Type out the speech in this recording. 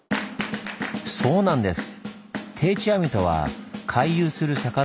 そうなんです！